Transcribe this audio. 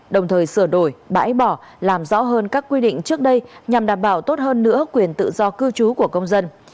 đồng thời sửa đổi bãi bỏ làm rõ hơn các quy định trước đây nhằm đảm bảo tốt hơn nữa quyền tự do cư trú của công dân